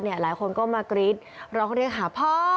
หลายคนก็มากรี๊ดร้องเรียกหาพ่อ